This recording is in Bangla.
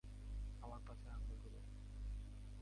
আমার পাছায় আঙুল ঢুকাও!